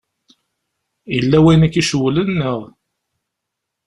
Yella wayen i k-icewwlen, neɣ?